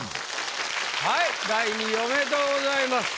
はい第２位おめでとうございます。